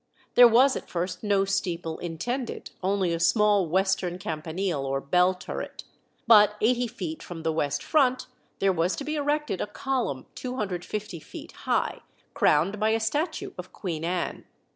There was at first no steeple intended, only a small western campanile, or bell turret; but, eighty feet from the west front, there was to be erected a column 250 feet high, crowned by a statue of Queen Anne.